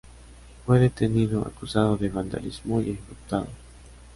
Fue detenido, acusado de vandalismo y ejecutado.